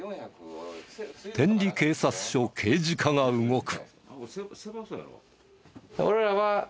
天理警察署刑事課が動く。